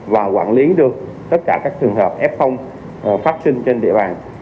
và quản lý được tất cả các trường hợp f phát sinh trên địa bàn